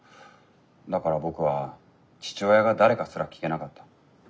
だから僕は父親が誰かすら聞けなかった。